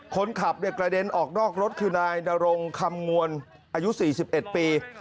คนขับกระเด็นออกนอกรถคือนายนรงคำมวลอายุ๔๑ปี